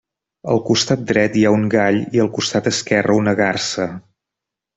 Al costat dret hi ha un gall i al costat esquerre una garsa.